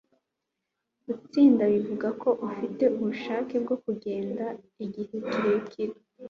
Gutsinda bivuze ko ufite ubushake bwo kugenda igihe kirekire,